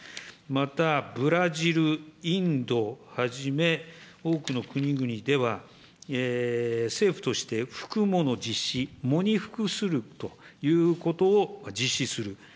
また、ブラジル、インドをはじめ多くの国々では、政府として服喪の実施、喪に服するということを実施する。